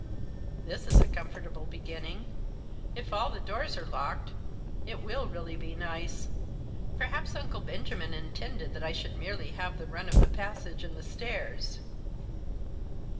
"This is a comfortable beginning! If all the doors are locked it will be really nice. Perhaps Uncle Benjamin intended that I should merely have the run of the passage and the stairs."